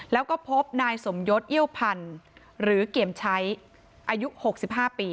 แล้วก็พบนายสมยศเอี้ยวพันธุ์หรือเกียรติชัยอายุ๖๕ปี